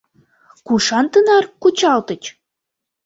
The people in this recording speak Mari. Кушан тынар кучалтыч?